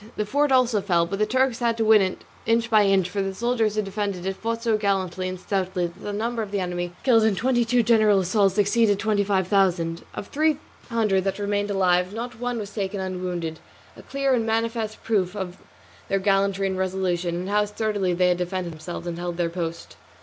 The fort also fell; but the Turks had to win it inch by inch, for the soldiers who defended it fought so gallantly and stoutly that the number of the enemy killed in twenty two general assaults exceeded twenty five thousand. Of three hundred that remained alive not one was taken unwounded, a clear and manifest proof of their gallantry and resolution, and how sturdily they had defended themselves and held their post.